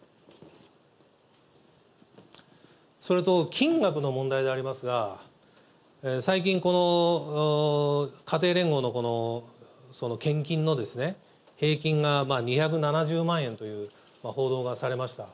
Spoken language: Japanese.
それと、金額の問題でありますが、最近、この家庭連合の献金の平均が２７０万円という報道がされました。